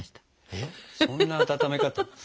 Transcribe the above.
えっそんな温め方。